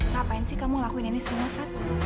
ngapain sih kamu ngelakuin ini semua sat